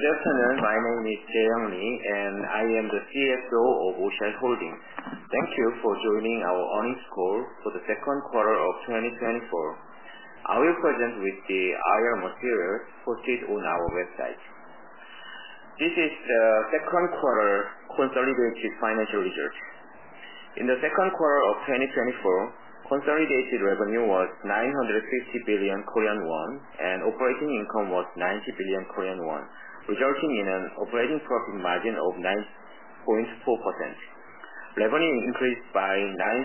Good afternoon. My name is Su-Mi Lee, and I am the CFO of OCI Holdings. Thank you for joining our Earnings Call for the Second Quarter of 2024. I will present with the IR materials posted on our website. This is the second quarter consolidated financial results. In the second quarter of 2024, consolidated revenue was 950 billion Korean won, and operating income was 90 billion Korean won, resulting in an operating profit margin of 9.4%. Revenue increased by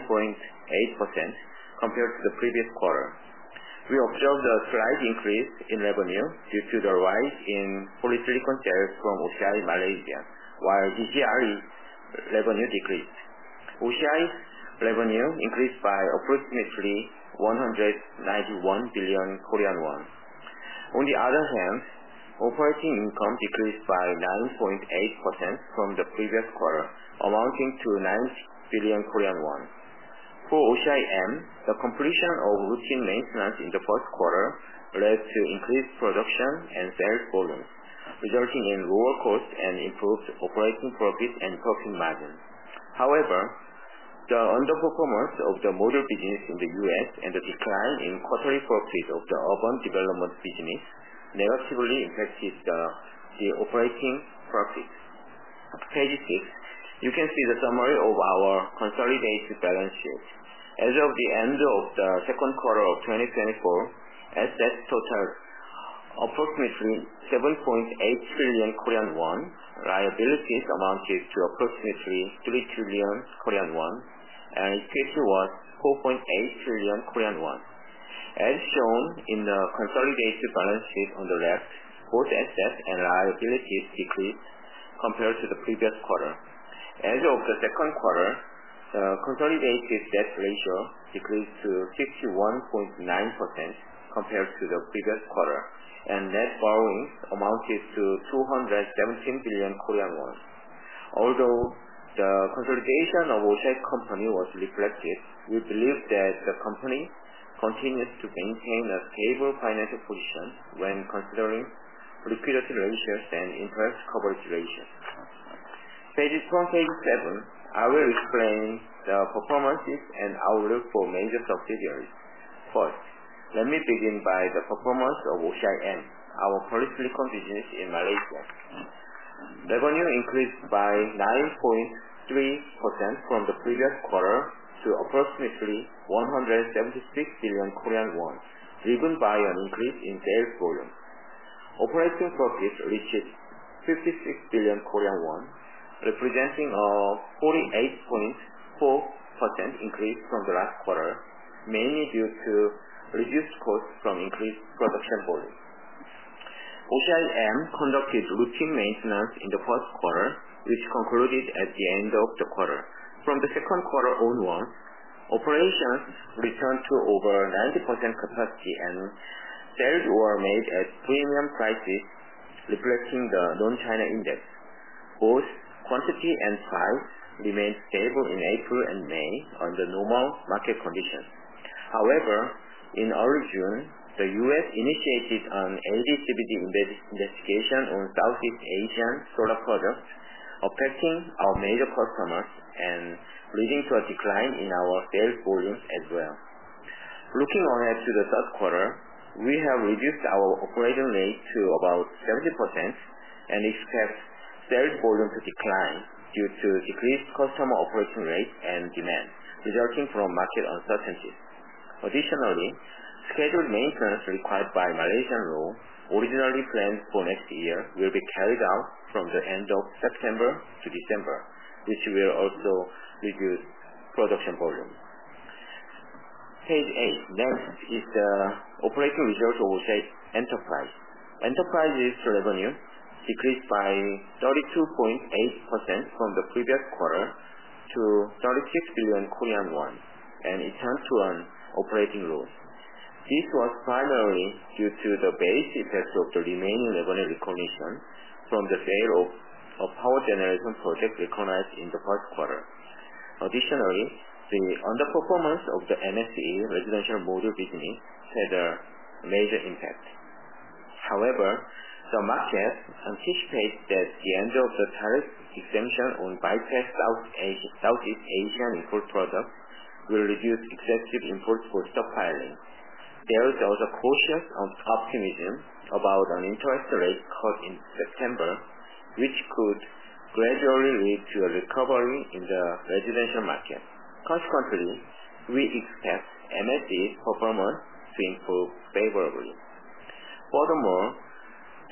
9.8% compared to the previous quarter. We observed a slight increase in revenue due to the rise in polysilicon sales from OCI Malaysia, while DCRE revenue decreased. OCI revenue increased by approximately 191 billion Korean won. On the other hand, operating income decreased by 9.8% from the previous quarter, amounting to 9 billion Korean won. For OCIM, the completion of routine maintenance in the first quarter led to increased production and sales volumes, resulting in lower costs and improved operating profit and profit margin. However, the underperformance of the module business in the U.S. and the decline in quarterly profit of the urban development business negatively impacted the operating profit. Page 6, you can see the summary of our consolidated balance sheet. As of the end of the second quarter of 2024, assets totaled approximately 7.8 trillion Korean won. Liabilities amounted to approximately 3 trillion Korean won, and equity was 4.8 trillion Korean won. As shown in the consolidated balance sheet on the left, both assets and liabilities decreased compared to the previous quarter. As of the second quarter, the consolidated debt ratio decreased to 51.9% compared to the previous quarter, and net borrowing amounted to 217 billion Korean won. Although the consolidation of OCI Company was reflected, we believe that the company continues to maintain a stable financial position when considering liquidity ratios and interest coverage ratios. Page 1, page 7, I will explain the performances and outlook for major subsidiaries. First, let me begin by the performance of OCIM, our polysilicon business in Malaysia. Revenue increased by 9.3% from the previous quarter to approximately 176 billion Korean won, driven by an increase in sales volume. Operating profit reached 56 billion Korean won, representing a 48.4% increase from the last quarter, mainly due to reduced costs from increased production volume. OCIM conducted routine maintenance in the first quarter, which concluded at the end of the quarter. From the second quarter onwards, operations returned to over 90% capacity, and sales were made at premium prices, reflecting the Non-China Index. Both quantity and price remained stable in April and May under normal market conditions. However, in early June, the U.S. initiated an AD/CVD investigation on Southeast Asian solar products, affecting our major customers and leading to a decline in our sales volumes as well. Looking ahead to the third quarter, we have reduced our operating rate to about 70% and expect sales volume to decline due to decreased customer operating rate and demand, resulting from market uncertainties. Additionally, scheduled maintenance required by Malaysian law, originally planned for next year, will be carried out from the end of September to December, which will also reduce production volume. Page 8. Next is the operating results of OCI Enterprises. Enterprises' revenue decreased by 32.8% from the previous quarter to 36 billion Korean won, and it turned to an operating loss. This was primarily due to the base effect of the remaining revenue recognition from the sale of power generation projects recognized in the first quarter. Additionally, the underperformance of the MSE residential module business had a major impact. However, the market anticipates that the end of the tariff exemption on bypass Southeast Asian import products will reduce excessive imports for stockpiling. There is also cautious optimism about an interest rate cut in September, which could gradually lead to a recovery in the residential market. Consequently, we expect MSE's performance to improve favorably. Furthermore,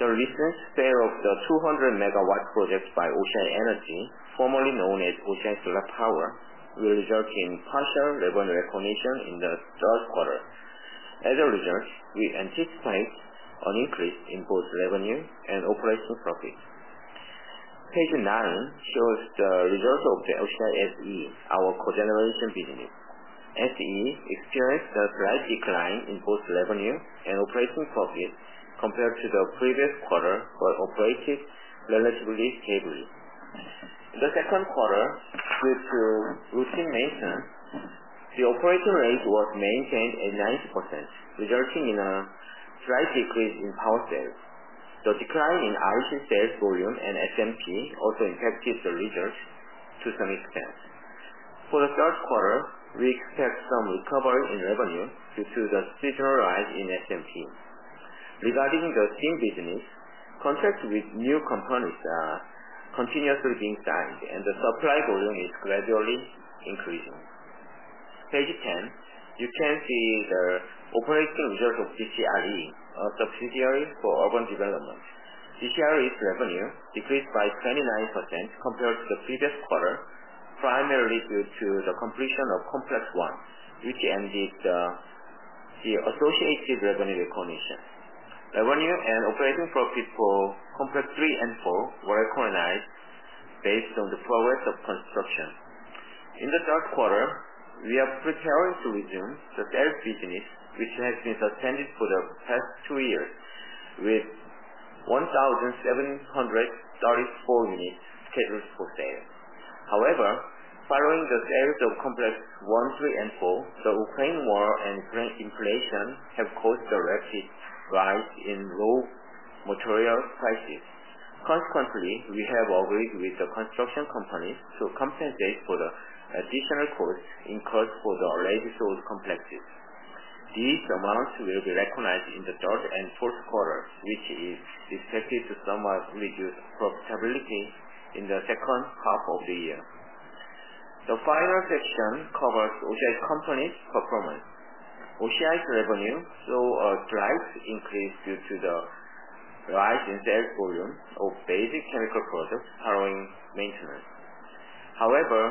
the recent sale of the 200-megawatt project by OCI Energy, formerly known as OCI Solar Power, will result in partial revenue recognition in the third quarter. As a result, we anticipate an increase in both revenue and operating profit. Page 9 shows the results of the OCI SE, our cogeneration business. SE experienced a slight decline in both revenue and operating profit compared to the previous quarter, but operated relatively stably. In the second quarter, due to routine maintenance, the operating rate was maintained at 90%, resulting in a slight decrease in power sales. The decline in REC sales volume and SMP also impacted the results to some extent. For the third quarter, we expect some recovery in revenue due to the seasonal rise in SMP. Regarding the steam business, contracts with new companies are continuously being signed, and the supply volume is gradually increasing. Page 10, you can see the operating results of DCRE, a subsidiary for urban development. DCRE's revenue decreased by 29% compared to the previous quarter, primarily due to the completion of Complex 1, which ended the associated revenue recognition. Revenue and operating profit for Complex 3 and 4 were recognized based on the progress of construction. In the third quarter, we are preparing to resume the sales business, which has been suspended for the past two years, with 1,734 units scheduled for sale. However, following the sales of Complex 1, 3, and 4, the Ukraine war and Ukraine inflation have caused a rapid rise in raw material prices. Consequently, we have agreed with the construction companies to compensate for the additional costs incurred for the already sold complexes. These amounts will be recognized in the third and fourth quarter, which is expected to somewhat reduce profitability in the second half of the year. The final section covers OCI Company's performance. OCI's revenue saw a slight increase due to the rise in sales volume of basic chemical products following maintenance. However,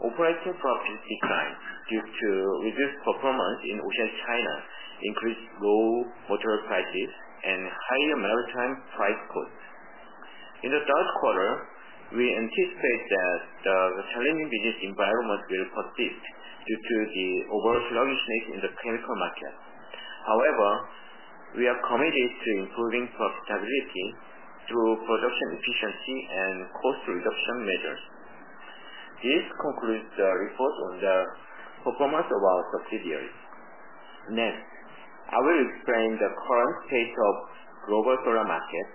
operating profits declined due to reduced performance in OCI China, increased raw material prices, and higher maritime price costs. In the third quarter, we anticipate that the challenging business environment will persist due to the overall sluggishness in the chemical market. However, we are committed to improving profitability through production efficiency and cost reduction measures. This concludes the report on the performance of our subsidiaries. Next, I will explain the current state of the global solar market,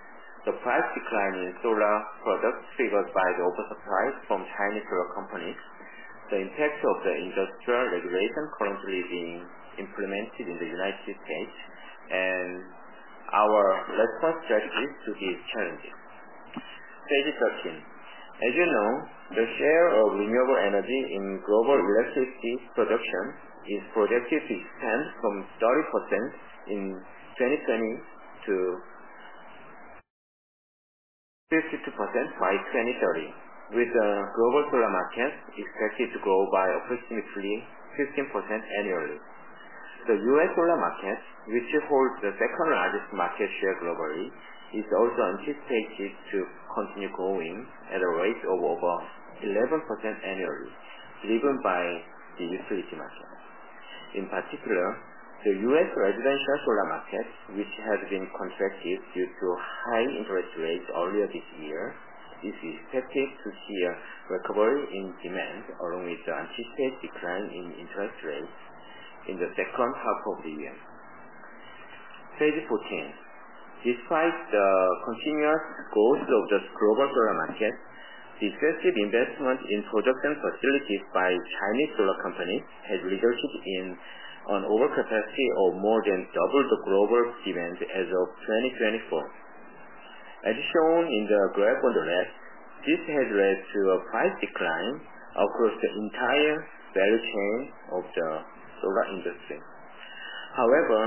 the price decline in solar products triggered by the oversupply from Chinese solar companies, the impact of the industrial regulation currently being implemented in the United States, and our response strategies to these challenges. Page 13. As you know, the share of renewable energy in global electricity production is projected to expand from 30% in 2020 to 52% by 2030, with the global solar market expected to grow by approximately 15% annually. The U.S. solar market, which holds the second largest market share globally, is also anticipated to continue growing at a rate of over 11% annually, driven by the utility market. In particular, the U.S. residential solar market, which has been contracted due to high interest rates earlier this year, is expected to see a recovery in demand, along with the anticipated decline in interest rates in the second half of the year. Page 14. Despite the continuous growth of the global solar market, the excessive investment in production facilities by Chinese solar companies has resulted in an overcapacity of more than double the global demand as of 2024. As shown in the graph on the left, this has led to a price decline across the entire value chain of the solar industry. However,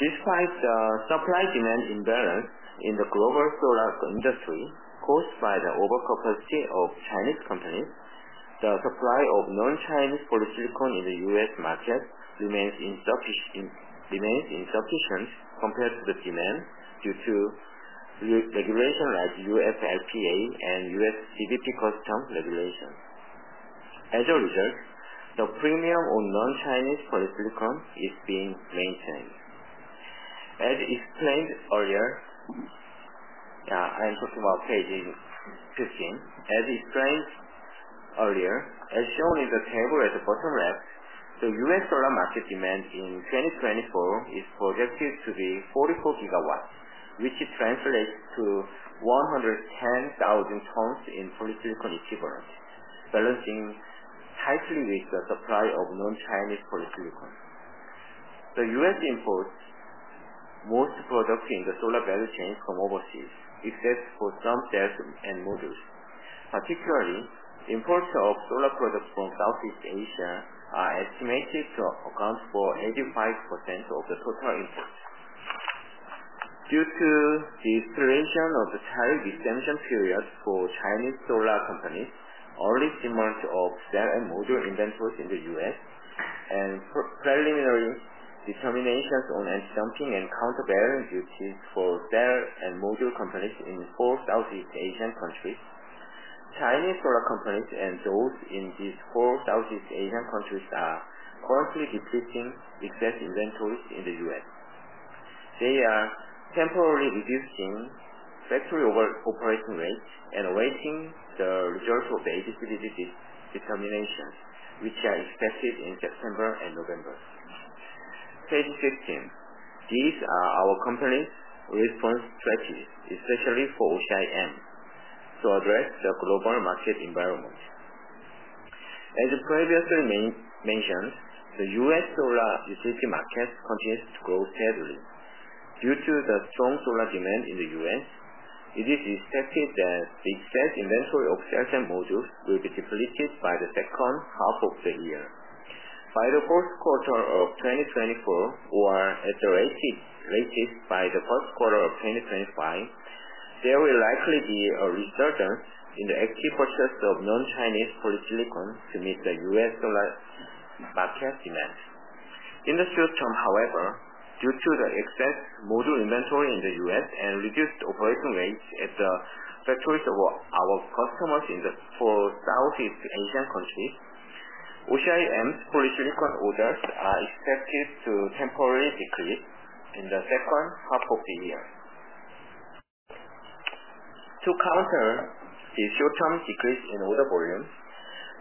despite the supply-demand imbalance in the global solar industry caused by the overcapacity of Chinese companies, the supply of non-Chinese polysilicon in the U.S. market remains insufficient compared to the demand due to regulation like UFLPA and U.S. CBP customs regulations. As a result, the premium on non-Chinese polysilicon is being maintained. As explained earlier, I am talking about page 15. As explained earlier, as shown in the table at the bottom left, the U.S. solar market demand in 2024 is projected to be 44 gigawatts, which translates to 110,000 tons in polysilicon equivalent, balancing tightly with the supply of non-Chinese polysilicon. The U.S. imports most products in the solar value chain from overseas, except for some cells and modules. Particularly, imports of solar products from Southeast Asia are estimated to account for 85% of the total imports. Due to the duration of the tariff exemption period for Chinese solar companies, early demand of cell and module inventories in the U.S., and preliminary determinations on anti-dumping and countervailing duties for cell and module companies in four Southeast Asian countries, Chinese solar companies and those in these four Southeast Asian countries are currently depleting excess inventories in the U.S. They are temporarily reducing factory operating rates and awaiting the result of the AD/CVD determinations, which are expected in September and November. Page 15. These are our company's response strategies, especially for OCIM, to address the global market environment. As previously mentioned, the U.S. solar utility market continues to grow steadily. Due to the strong solar demand in the U.S., it is expected that the excess inventory of cells and modules will be depleted by the second half of the year. By the fourth quarter of 2024, or at the latest by the first quarter of 2025, there will likely be a resurgence in the active purchase of non-Chinese polysilicon to meet the U.S. solar market demand. In the short term, however, due to the excess module inventory in the U.S. and reduced operating rates at the factories of our customers in the four Southeast Asian countries, OCIM's polysilicon orders are expected to temporarily decrease in the second half of the year. To counter the short-term decrease in order volume,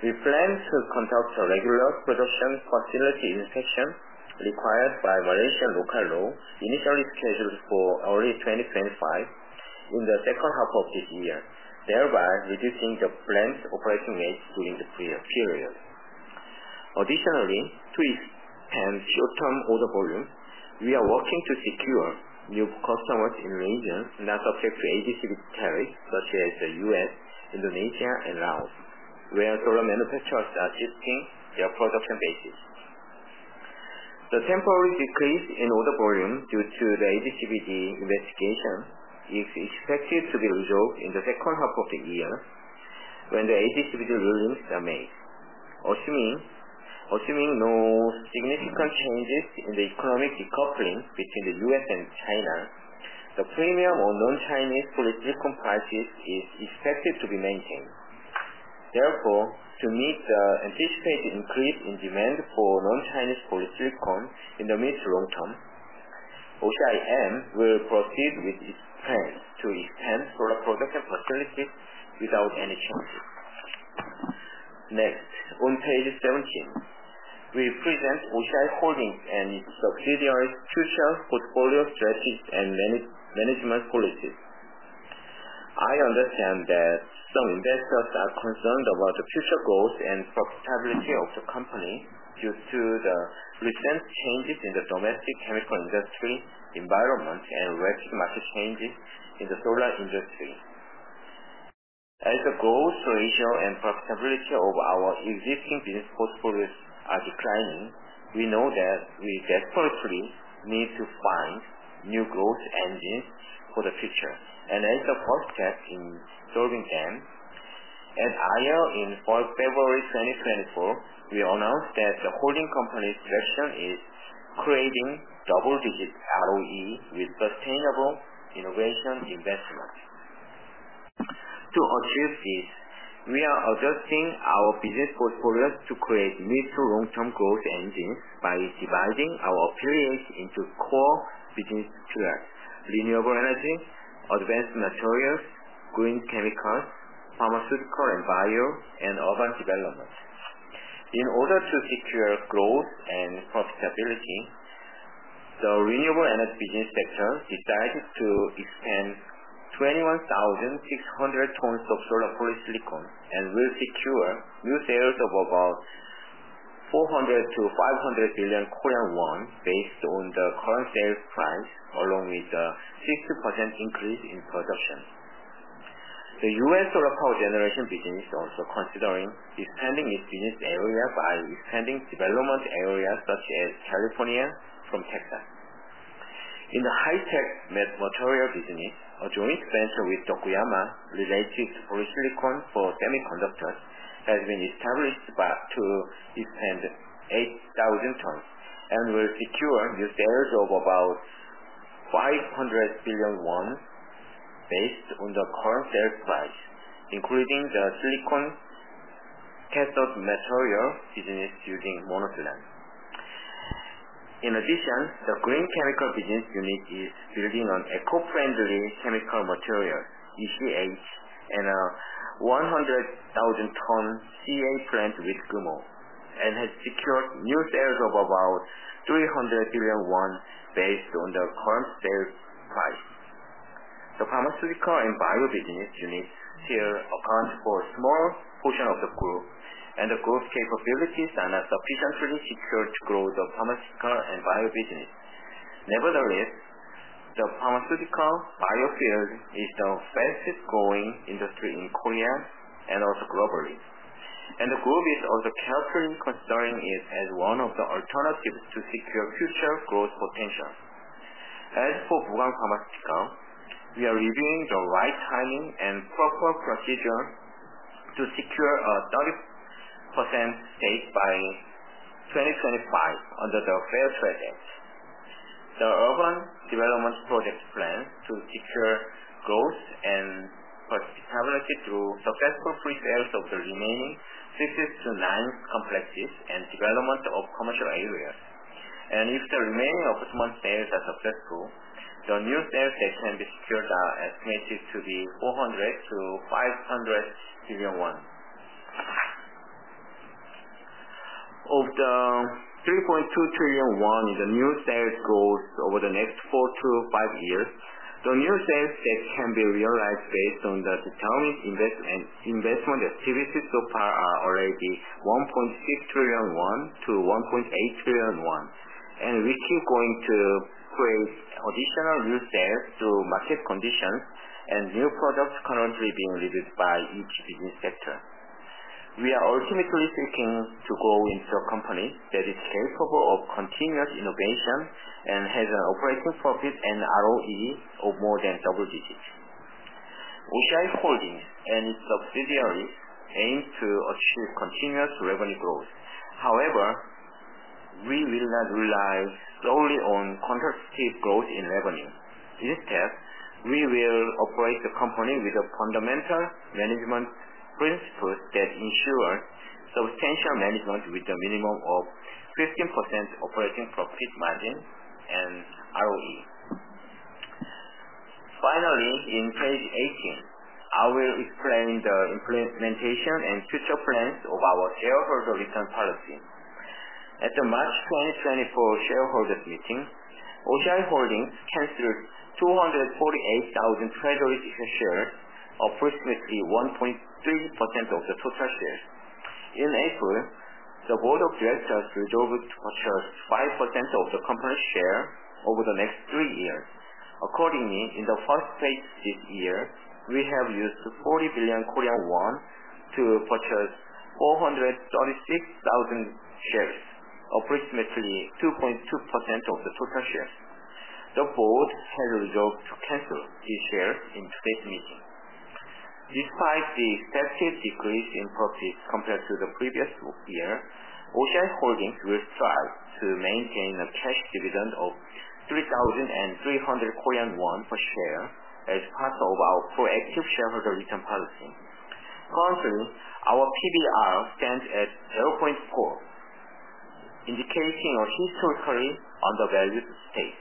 we plan to conduct a regular production facility inspection required by Malaysian local law, initially scheduled for early 2025, in the second half of this year, thereby reducing the planned operating rates during the period. Additionally, to expand short-term order volumes, we are working to secure new customers in regions not subject to AD/CVD tariffs, such as the U.S., Indonesia, and Laos, where solar manufacturers are shifting their production bases. The temporary decrease in order volume due to the AD/CVD investigation is expected to be resolved in the second half of the year when the AD/CVD rulings are made. Assuming no significant changes in the economic decoupling between the U.S. and China, the premium on non-Chinese polysilicon prices is expected to be maintained. Therefore, to meet the anticipated increase in demand for non-Chinese polysilicon in the mid to long term, OCIM will proceed with its plans to expand solar production facilities without any changes. Next, on page 17, we present OCI Holdings and its subsidiaries' future portfolio strategies and management policies. I understand that some investors are concerned about the future growth and profitability of the company due to the recent changes in the domestic chemical industry environment and rapid market changes in the solar industry. As the growth ratio and profitability of our existing business portfolios are declining, we know that we desperately need to find new growth engines for the future. As a first step in solving them, at IR in February 2024, we announced that the holding company's direction is creating double-digit ROE with sustainable innovation investment. To achieve this, we are adjusting our business portfolios to create mid to long-term growth engines by dividing our affiliates into core business pillars: renewable energy, advanced materials, green chemicals, pharmaceutical and bio, and urban development. In order to secure growth and profitability, the renewable energy business sector decided to expand 21,600 tons of solar polysilicon and will secure new sales of about 400 billion-500 billion Korean won based on the current sales price, along with a 60% increase in production. The U.S. solar power generation business is also considering expanding its business area by expanding development areas such as California from Texas. In the high-tech materials business, a joint venture with Tokuyama related to polysilicon for semiconductors has been established to expand 8,000 tons and will secure new sales of about 500 billion won based on the current sales price, including the silicon anode material business using monosilane. In addition, the green chemical business unit is building an eco-friendly chemical material, ECH, and a 100,000-ton CA plant with Kumho, and has secured new sales of about 300 billion won based on the current sales price. The pharmaceutical and bio business unit here accounts for a small portion of the group, and the group's capabilities are not sufficiently secured to grow the pharmaceutical and bio business. Nevertheless, the pharmaceutical bio field is the fastest-growing industry in Korea and also globally, and the group is also carefully considering it as one of the alternatives to secure future growth potential. As for Bukwang Pharmaceutical, we are reviewing the right timing and proper procedure to secure a 30% stake by 2025 under the Fair Trade Act. The urban development project plan to secure growth and profitability through successful pre-sales of the remaining 6-9 complexes and development of commercial areas. If the remaining apartment sales are successful, the new sales that can be secured are estimated to be 400 billion-500 billion won. Of the 3.2 trillion won in the new sales growth over the next 4-5 years, the new sales that can be realized based on the determined investment activities so far are already 1.6 trillion-1.8 trillion won, and we keep going to create additional new sales through market conditions and new products currently being reviewed by each business sector. We are ultimately seeking to grow into a company that is capable of continuous innovation and has an operating profit and ROE of more than double digits. OCI Holdings and its subsidiaries aim to achieve continuous revenue growth. However, we will not rely solely on quantitative growth in revenue. Instead, we will operate the company with a fundamental management principle that ensures substantial management with a minimum of 15% operating profit margin and ROE. Finally, on page 18, I will explain the implementation and future plans of our shareholder return policy. At the March 2024 shareholders' meeting, OCI Holdings canceled 248,000 treasury shares, approximately 1.3% of the total shares. In April, the board of directors resolved to purchase 5% of the company's share over the next three years. Accordingly, in the first phase this year, we have used 40 billion Korean won to purchase 436,000 shares, approximately 2.2% of the total shares. The board has resolved to cancel these shares in today's meeting. Despite the steady decrease in profits compared to the previous year, OCI Holdings will strive to maintain a cash dividend of 3,300 Korean won per share as part of our proactive shareholder return policy. Currently, our PBR stands at 0.4, indicating a historically undervalued state.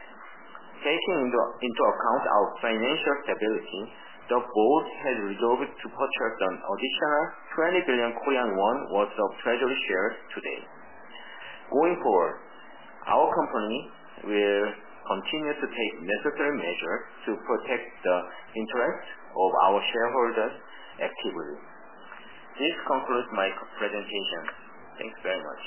Taking into account our financial stability, the board has resolved to purchase an additional 20 billion Korean won worth of treasury shares today. Going forward, our company will continue to take necessary measures to protect the interests of our shareholders actively. This concludes my presentation. Thanks very much.